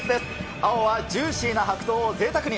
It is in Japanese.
青はジューシーな白桃をぜいたくに。